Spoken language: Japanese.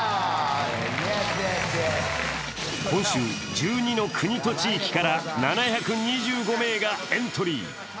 今週、１２の国と地域から７２５名がエントリー。